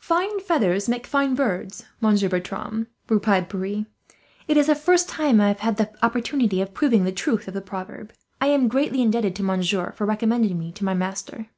"Fine feathers make fine birds, Monsieur Bertram," replied Pierre. "It is the first time I have had the opportunity of proving the truth of the proverb. I am greatly indebted to monsieur, for recommending me to my master."